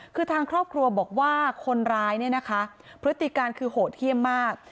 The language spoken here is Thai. คือทางครอบครัวบอกว่าคนร้ายเนี่ยนะคะพฤติการคือโหดเยี่ยมมาก